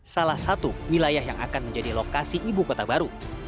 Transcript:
salah satu wilayah yang akan menjadi lokasi ibu kota baru